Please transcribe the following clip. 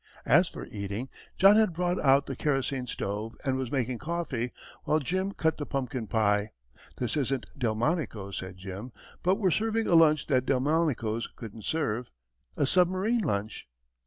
As for eating, John had brought out the kerosene stove and was making coffee, while Jim cut the pumpkin pie. "This isn't Delmonico's," said Jim, "but we're serving a lunch that Delmonico's couldn't serve a submarine lunch."